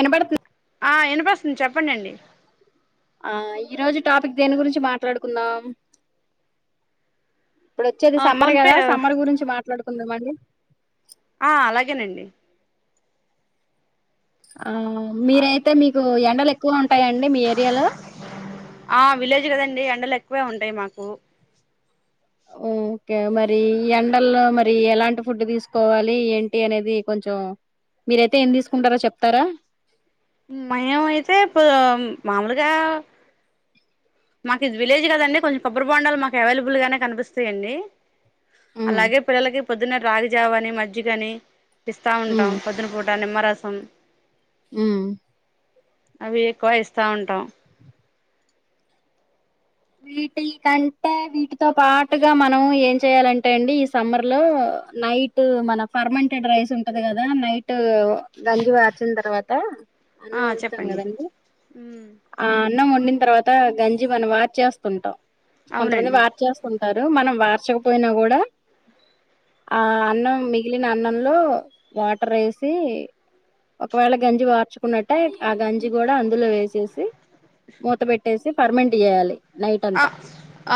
అనా పడు ఆ వినిపిస్తుంది చెప్పండిండి ఆ ఈ రోజు టాపిక్ దేని గురించి మాట్లాడుకుందాం ఇప్పుడు వచ్చేది ఆ సమ్మర్ ఫోన్ పే కదా సమ్మర్ గురించి మాట్లాడుకు కొంద మంది. ఆ అలాగేనండి. ఆ మీరైతే మీకు ఎ. ఎండలు ఎక్కువ ఉంటాయండి మీ ఏరియాలో. ఆ విలేజ్ కదండి ఎండలు ఎక్కువే ఉంటాయి మాకు. ఓకే మరి ఎండల్లో మరి ఎలాంటి ఫుడ్ తీసుకోవాలి ఏంటి అనేది కొంచెం మీరైతే ఏం తీసుకుంటారో చెప్తారా. మాయం అయితే పో మామూలుగా. మాకు ఇది విలేజ్ కదండీ కొంచం కొబ్బరి బొండాలు మాకు అవైల్ బుల్ గానే కనిపిస్తాయిండి, ఉమ్ అలాగే పిల్లలకి పొద్దున్న రాగీజావ అని మజ్జిక అని. ఇస్తా ఉంటాం పొద్దున పూట నిమ్మరస. అమ్ ఊమ్. అవి ఎక్కువ ఇస్తా ఉంటాం. వీటి కంటే వీటితో పాటుగా మనం ఏం చేయాలంట అండి ఈ సమ్మర్ లో నైట్ మన ఫర్మంటెడ్ రైస్ ఉంటది కదా నైట్ గంజి వార్చిన తర్వాత. ఆ అన్నం వండుతాం చెప్పండి. కదండి ఆ అన్నం ఒండినా తర్వాత గంజి మనం వాచ్ చేస్తుంటాం. కొంతమంది అవునండి వార్ చేసుకుంట్ మనం వార్చకపోయినా కూడా ఆ అన్నం మిగిలిన అన్నంలో వాటర్ వేసి ఒకవేళ గంజి వార్చుకున్నట్టే ఆ గంజి కూడా అందులో వేసేసి. సి. మూత పెట్టేసి. అంటే పర్మంట్ చేయాలె. ఆ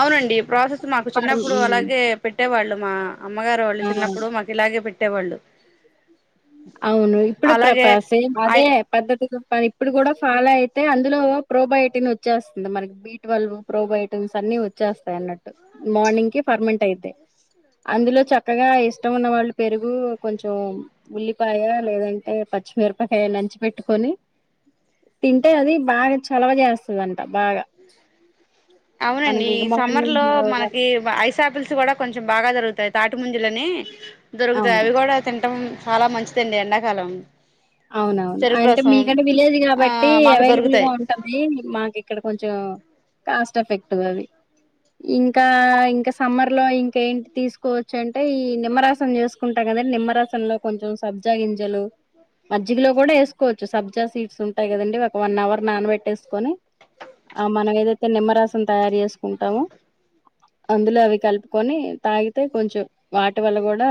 అవునండి ఈ ప్రాసెస్ మాకు ఫర్ చిన్నప్పుడు అలాగే పెట్టేవాళ్ళు మా అమ్మగారు వాళ్ళు ఆ చిన్నప్పుడు మాకు ఇలాగే పె. కుట్టె వళ్ళు. అవును ఇప్పుడు ప్రపసే ఐ అదే పద్ధతిని ఇప్పుడు కూడా. ఫాలో అయితే అందులో ప్రోబయోటిన్ వచ్చేస్తుంది మనకి బీట్ వల్ ప్రోబోటిన్స్ అన్ని వచ్చేస్తాయి అన్నట్టు మార్నింగ్ కి ఫర్మంట్ ఐతే అందులో చక్కగా ఇష్టం ఉన్న వాళ్ళు పెరుగు కొంచెం ఉల్లి. ఉప్పయ లేదంటే పచ్చిమిరపకాయ నంచి పెట్టుకొని తింటే అది బాగా చలవ చేేస్తుందింట బాగా. అవునండి మనకి ఈ ఇగ సమ్మర్ లో మార్నింగ్ వర్ మనకి ఐస్ అపిల్స్ కూడా కొంచెం బాగా దొరుగుతాయి తా. ముంజలనే. దొరుకుతాయి అవును. అవి కూడా తింటం. చాలా మంచిదండి ఎండాకాలం. అవునవును చెరుకు అంటే రసం మీకంటే విలేజ్ ఆ కాబట్టి మాకు అవైలబుల్ గా దొరుకుతాయి ఉంటది మాకు ఇక్కడ కొంచెం. కాస్ట్ ఎఫెక్ట్ అవి ఇంకా ఇంక సమ్మర్ లో ఇంక ఏంటి తీసుకోవచ్చు అంటే ఈ నిమ్మరాసం చేసుకుంటాం కదండి నిమ్మరాసంలో కొంచెం సబ్జా గింజలు. మజ్జికలో కూడా వేసుకోవచ్చు సబ్జా సీట్స్ ఉంటాయి కదండి ఒక వన్ అవర్. నానబె. కట్టేసుకొని ఆ మనం ఏదో నిమ్మరసం తయారుచేసుకుంటాము అందులో అవి కలుపుకొనీ తాగితే కొంచెం వాటి వల్ల కూడా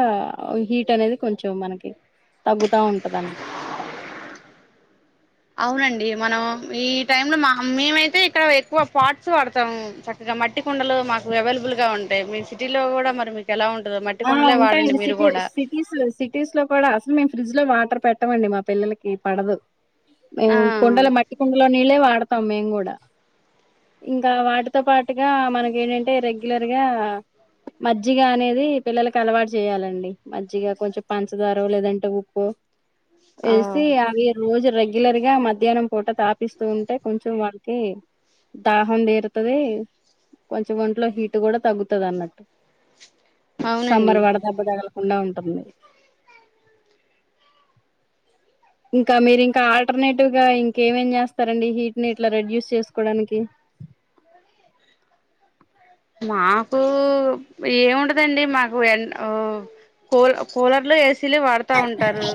హీట్ అనేది కొంచెం మనకి తగ్గుతా ఉంటది అన్నమాట అవునండి మనం ఈ టైం లో మ. మేమైతే ఇక్కడ ఎక్కువ పార్ట్స్ వాడతాం మొత్తం చక్కగా మట్టి కొండలు మాకు అవైలబుల్ గా ఉంటాయి మీ సిటీలో కూడా మరి మీకు ఎలా ఉంట ఆ ఉంటాయండి సిటీ సిటీస్ లో సిటీస్ లో కూడా అసలు మేము ఫ్రిజ్ లో వా అత్ర పెట్టమండి మా పిల్లలకి పడదు ఆ హ్మ్ కుండలో మట్టి కొండలో నీళ్ళే వాడ మేము కూడా ఇంకా వాటితో పాటుగా మనక ఏంటంటే రెగ్యులర్ గా మజ్జిగ అనేది పిల్లలలకు అలవాటు చేయాలండి మజ్జిగా కొంచెం పంచదారో లేదం అంటే ఉప్పు ఆ ఎసి అవి రోజు రే రెగ్యులర్గా మధ్యాహ్నం పూట తాపిస్తూ ఉంటే కొంచెం వాళ్ళకి దాహం తీరుతది కొంచెం ఒంట్లో హీట్ కూడా తగ్గుతది అన్నట్టు అవునండి సమ్మర్ వడదెబ్బ తగలకుండా ఉంటుంది ఇంకా మీరు ఇంకా ఆల్టర్నేటివ్ గా ఇంకేమేం చేస్తారండి హీట్ ని ఇట్లా రెడ్యూస్ చేసుకోవడానికి మాకు ఏముంటదండి మాకు ఎన్ కూ కూలర్లు ఎ సిలే వాడతా ఉంటారు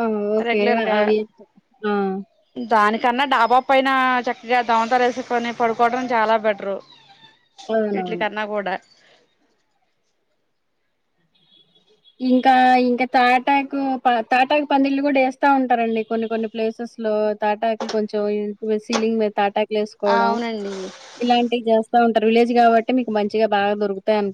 ఆ ఓకే రెగ్యులర్ గా అవి ఆ కన్నా డాబా పైన చక్కగా దమతరా వేసుకోని పడుకోవడం చాలా బెటరు వీట్లి అవునవును కన్నా కూడా ఇంకా ఇంకా తాటాకు తాటాక్ పందిళ్లు కూడా వేస్తా ఉంటారండి కొన్ని కొన్ని ప్లేసెస్ లో తాటాకులు కొంచెం సీలింగ్ మీద తాటాక్ వెసుకోవడం అవునండి ఇలాంటివి చేస్తా ఉ సర్ విలేజ్ కాబట్టి మీకు మంచిగా బాగా దొరుకుతాయి అం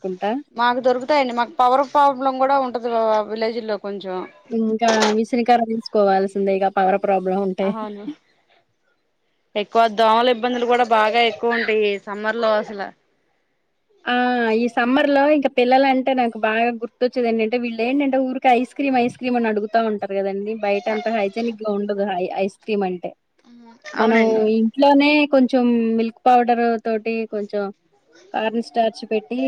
మాకు దొరుకుతాయండి మాకు పవర్ ప్రాబ్లం కూడా ఉం విలేజ్ లో అ విలేజ్ లో కొంచెం ఇంకా విసిని ఖర తీసుకోవాల్సిందే గా పవర ప్రాబ్లం ఉంటే అవును ఎక్కువ దోమల ఇబ్బందులు కూడా బాగా ఎక్కువ ఉంటాయి సమ్మర్ లో అసలు ఆ ఈ సమ్మర్ లో ఇంకా పిల్లలు అంటే నాకు బాగా గుర్తొచ్చేదండి అంటే వీళ్ళు ఏంటంటే ఊరికి ఐస్ క్రీమ్ ఐస్ క్రీమ్ అని అడుగుతా ఉంటారు కదండి బయట అంత హయిజినికిగా ఉండదు హాఎ ఐస్క్రీమ్ అంటే మనం అవునండి ఇంట్లోనే కొంచెం మిల్క్ పౌడర్ తోటి కొంచెం కాపీస్ స్టార్చ్ పెట్టి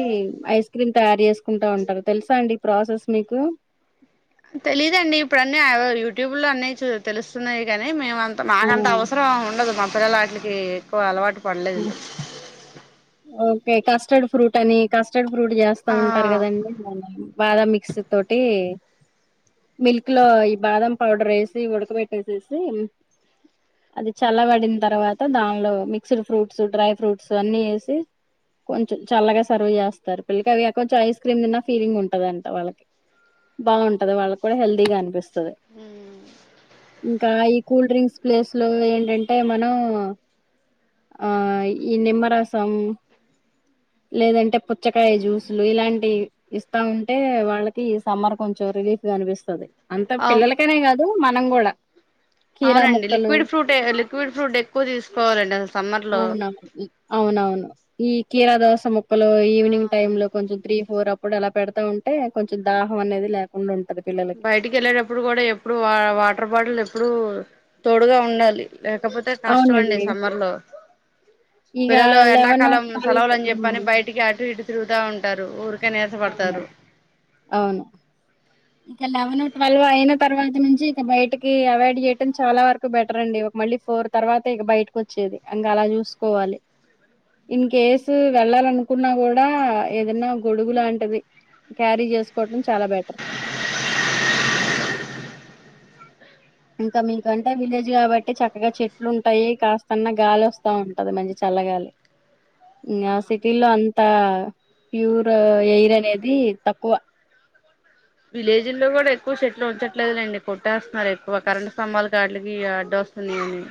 ఐస్ క్రీమ్ తయారు చేసుకుంటా ఉంటారు తెలుసా అండి ఈ ప్రాసెస్ మీకు తెలీదండి ఇప్పుడు అన్నీ యూట్యూబ్ లో అన్ని చు తెలుస్తున్నాయి కద మేమంత ఆ మాకంత అవసరం ఎమ్ ఉండదు మా పిల్లల ఆటలకి ఎక్కువ అలవాటు పలేలేదు కాస్టర్డ్ ఫ్రూట్ అని కాస్ట్ కాస్టర్డ్ ఫ్రూట్ చేస్తా ఆ ఉంటారు కదండి బాదం మిక్సీ తోటి మిల్క్ లో ఈ బాదం పౌడర్ వేసి ఉడకబెట్టటి వేసేసి అది చల్లబడిన తర్వాత దానిలోిక్ మిక్స్డ్ ఫ్రూట్స్ డ్రై ఫ్రూట్స్ అన్ని వేసి కొంచెం చల్లగా సర్వ్ చేస్తారు పిల్లకి అవి కొంచెం ఐస్ క్రీమ్ తిన్న ఫీలింగ్ ఉంటదంట వాళ్ళకి బాగుంటది వాళ్ళకి కూడా హెల్దీగా అనిపిస్తుంది కాయి కూల్ డ్రింక్స్ ప్లేస్ లో ఏంటంటే మనం ఆ ఈ నిమ్మరసం లేదంటే పుచ్చకాయ జ్యూసులు ఇలాంటి ఇస్తా ఉంటే వాళ్ళకి సమ్మర్ కొంచెం రిలీఫ్ కనిపిస్తుది అంత అవు పిల్లలకనే కాదు మనం కూడా కీరా అవునండి ముక్కలు లిక్విడ్ ఫ్రూట్ లిక్విడ్ ఫ్రూట్ ఎక్కువ తీసుకోవాలండి అసలు సమ్మర్ లో అవునవును అవునవును ఈ కీర దోస ము కలు ఈవినింగ్ టైమ్ ఆ లో కొంచెం త్రీ ఫోర్ అప్పుడు ఎలా పెడతా ఉంటే కొంచెం దాహం అనేది లేకుండా ఉంటది పిల్లలకి బయటికి వెళ్ళేటప్పుడు కూడా ఎప్పుడు వాటర్ బాటిల్ ఇప్పుడు తోడుగా ఉండాలి లేకపోతే కష్టం అండి అవునండి సమ్మర్ లో ఇక పిల్లలు లెవెన్ ఎండాకాలం సెలవులు ట్వెల్వ్ అని చెప్పని బయటికి అటు ఇటు తిరుగుతా ఉంటారు క్క అవును నిరాశపడతారు అవును ఇక లెవెన్ ట్వెల్వ్ అయిన తర్వాత నుంచి ఇక బయటకి అవాయిడ్ చేయడంం చాలా వరకు బెటర్ అండి ఒక మళ్ళీ ఫోర్ తర్వాత ఇక బయటకి వచ్చేది అకా అలా చూసుకోవాలి ఇన్ కేస్ వెళ్ళాలనుకున్నా కూడా ఏదనా గొడుగు లాంటిది క్యారీ చేసుకోవటం చాలా బెటర్ ఇంకా మీకంటే విలేజ్ కాబట్టి చక్కగా చెట్లు ఉంటాయి కాస్తన్న గాలి వస్తా ఉంటది మంచి చల్లగాలి ఇంకా సిటీ లో అంత ప్యూర్ ఎయిర్ అనేది తక్కువ విలేజ్ లో కూడా ఎక్కువ షట్లు ఉంచట్లేదులేండి కొట్టేస్తున్నారు ఎక్కువ కరెట్ స్తంభాలుకుడ్కి అడ్డ వస్తుంది అని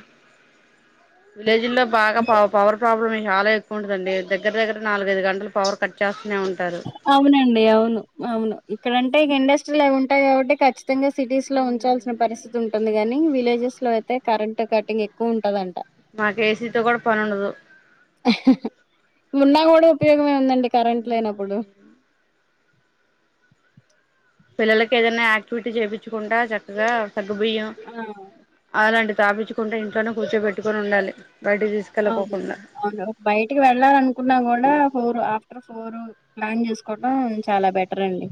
జి లో బాగా పవర్ ప్రాబ్లం చాలా ఎక్కువు ఉుందండి దగ్గ దగ్గర నాలుగ ఐదు గంటలు పవర్ కట్ చేస్త అవునండి అవును అవును ఇక్కడంటేెండ లు ఉంటాయిబట్టి ఖచ్చ ముతంగా సిటీస్ లో ఉంచాల్సిన పరిస్థితి ఉంటుంది కాని విలేజెస్ లో అయితే కరెంట్ కటింగ్ ఎక్కువ ఉంటదంట మాకు ఏసీతోో కూడా పని ఉండదు ఉన్నాా కూడా ఉపయోగమే ందండి కరెంట్ లేనప్పుడు పిల్లలకి ఏదైనా యాక్టివిటీ చేయిించుకుంటా చక్కగా సగబయ్యం ఆ అలాంట స్థాపించుంటే ఇంట్లోనే కూచోెట్టుొని ఉండాలి బయటికి అవును తీసుకెళ్ళకోకుండా అవును ఒక బయటికి వెళ్ళాల అనుకున్నా కూడా ఫోర్ ఆఫ్టర్ ఫోర్ ప్లాన్ చేసుకోవటం చాలా బెటర్ అండి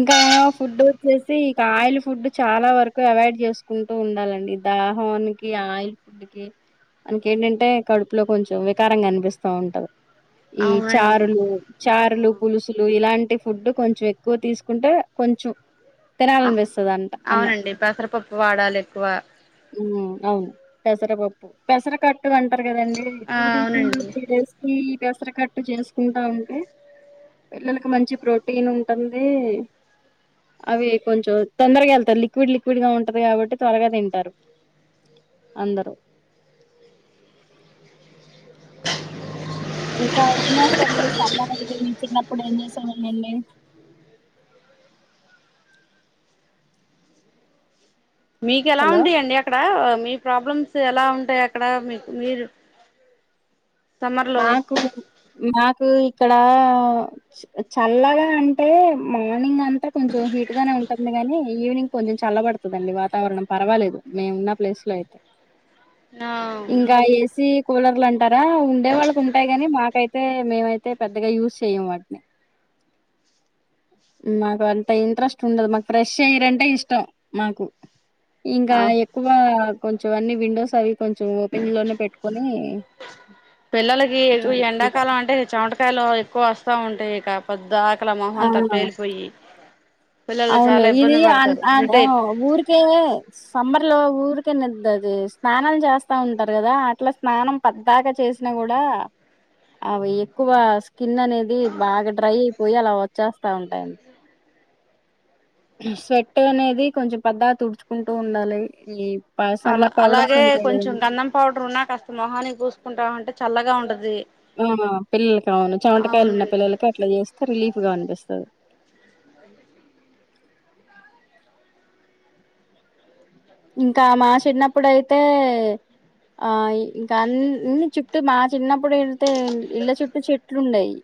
ఇంకా ఫుడ్ వచ్చేసి ఇక ఆయిల్ ఫుడ్ చాలా వరకు అవాయిడ్ చేసుకుంటూ ఉండాలండి దాహోనికి ఆయిల్ ఫుడ్ కి మనకేంటంటే కడుపులో కొంచెం వికారంగా అనిపిస్తా ఉంటది ఈ అవునండి చారులు చారులు పులుసులు ఇలాంటి ఫుడ్ కొంచెం ఎక్కువ తీసుకుంటే కొంచెం తినాలనిపిస్తది అంట అన్నం అవునండి పెసరపప్పు వాడాలి ఎక్కువ ఉమ్ అవును పెసరపప్పు పెసర కట్ టు అంటారు కదండి ఆ టూ టు టూ అవునండి త్రీ డేస్ కి పెసర కట్టు చేసుకుంటా ఉంటే పిల్లలకు మంచి ప్రోటీన్ ఉంటుంది అవి కొంచం తొందరగా వెళ్తాది లిక్విడ్ లిక్విడ్గా ఉంటది కాబట్టి త్వరగా తింటారు అందరూ ఇంక ఏం చేస్తారు సమ్మర్ చిన్నప్పుడు ఏం చేస్తారు సమ్మర్ మీకెలా హలో ఉంటయండి అక్కడ మీ ప్రాబ్లమ్స్ ఎలా ఉంటాయి అక్కడ మీకు మీరు సమ్మర్ లో మాకు మాకు ఇక్కడ చల్లగా అంటే మార్నింగ్ అంత అంటే కొంచెం హీట్ గానే ఉంటుంది కానీ ఈవేనింగ్ కొంచెం చల్లబడుతుందండి వాతావరణం పర్వాలేదు మేము ఉన్న ప్లేస్ లో అయితే ఆ ఇంకా ఏసి కూలర్లు అంటారా అంటే మేమైతే పెద్దగా యూస్ చేయము వాటిని మాకు అంత ఇంట్రెస్ట్ ఉండదు మాకు ఫ్రెష్ ఎయిరంటే ఇష్టం మాకు ఇంకా ఆ ఎక్కువ కొం చ అన్ని విండోస్ అవి కొంచెం ఓపెన్ లోనే పెట్టుకొని పిల్లలకి ఎక్కువ కూర్చొని ఉంటాం ఎండాకాలం అంటే చమటకాయలు ఎక్కువ వస్తా ఉంటాయి ఇక పద్ద తల మొహంతా ఆ పేలిపోయి పిల్లలు అవును చాలా ఇది ఇబ్బంది అ పడతారు ఆ రిటైల్ ఊరికే సమ్మర్ ఇంట్లో ఊరికని అది స్నానం చేస్తా ఉంటారు కదా అట్లా స్నానం పద్దాకా చేసినా కూడా అవి ఎక్కువ స్కిన్ అనేది బాగా డ్రై పోయ్యి అలా వచ్చేస్తా ఉంటాయండి స్వెట్ అనేది కొంచెం పద్దక తుడుచుకుంటూ ఉండాలి ఈ ప అలా సమ్మర్ పౌడర్స్ అలాగే ఉంటాయి కొంచెం గదండీ! గంధం పౌడర్ ఉన్నా కాస్త మొహానికి పూసుకుంటా అంటే చల్లగా ఉండది ఆ పిల్లలకి అవును చమటకాయలు ఉన్న అవునండి పిల్లలకి అట్లా చేస్తే రిలీఫ్ గా అనిపిస్తది [inaudible] [inaudible] ఇంకా మా చిన్నప్పుడయితే ఆ ఇ ఇంకా అన్ని చుట్టు మా చిన్నప్పుడు ఇం తేల్ ఇళ్ల చుట్టు చెట్లుండేయి.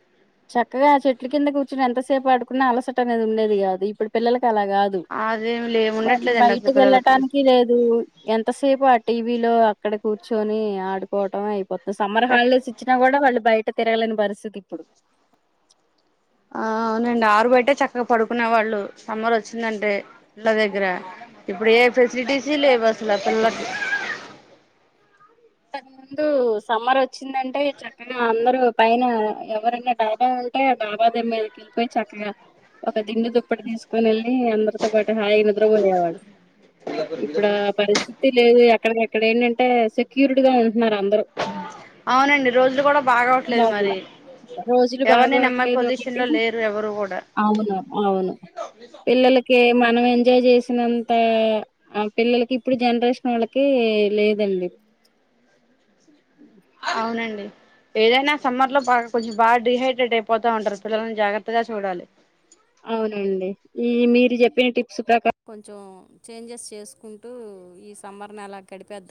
చక్కగా ఆ చెట్లు కింద కూర్చుని ఎంతసేపు ఆడుకున్నా అలసట అనేది ఉండేది కాదు. ఇప్పుడు పిల్లలకి అలా కాదు అదేమి లేము ఉండట్లేదండి అసలు పిల్లలకు ట్టానికి లేదు ఎంతసేపు అ టీవీ లో అక్కడ కూర్చొని ఆడుకోవటం అయిపో సమ్మర్ హాలిడేస్ ఇచ్చిన కూడా వాళ్ళు బయ ట్ట తిరగలేని పరిస్దితి ఇప్పుడు ఆ అవునండి ఆరు బయటే చక్కగా పడుకునే వాళ్ళు సమ్మర్ వచ్చిందంటే. ఇళ్ల దగ్గర ఇప్పుడే ఫెసిడిసి లేవసల పిల్లకు ముందు సమ్మర్ వచ్చిందంటే చక్కగా అందరూ పైన ఎవరైనా డాబా ఉంటే ఆ డాబా మీదకి వెళ్ళిపోయి చక్కగా ఒక దిండు దుప్పటి తీసుకొని వెళ్ళి అందరితో పాటు హాయి నిద్రపోయేవాళ్లు. ఇప్పుడా పరిస్థి తిర్ లేదే అక్కడ ఎక్కడ ఏంటంటే సెక్యూర్డ్ గా ఉంటున్నారు అందరూ అవునండి రోజులు కూడా బాగోవట్లేదు లోపల మరి రోజులు ఎవరిని నమ్మే బాగోట్లేదు పొజిషన్ ఒకటి లో లేరు ఎవరు కూడా అవును అవును పిల్లలకి మనం ఎంజాయ్ చేసినంత ఆ పిల్లలకి ఇప్పుడు జనరేషన్ వాళ్ళకి లేదండి. [unintelligible] అవునండి ఏదైనా సమ్మర్ లో బాగా కొంచెం బాగా డీహైడ్రేట్ అయిపోతా ఉంటారు పిల్లల్ని జాగ్రత్తగా చూడాలి. అవునండి ఈ మీరు చెప్పిన టిప్స్ ప్రకారం కొంచెం చేంజెస్ చేసుకుంటూ ఈ సమ్మర్ని అలా గడిపేద్దాం.